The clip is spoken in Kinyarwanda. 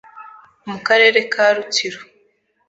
Mu karere ka Rutsiro